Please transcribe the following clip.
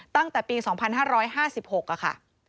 ตั้งแต่ปี๒๕๕๖ค่ะ